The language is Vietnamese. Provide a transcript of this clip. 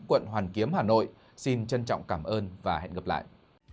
quận hoàn kiếm hà nội xin trân trọng cảm ơn và hẹn gặp lại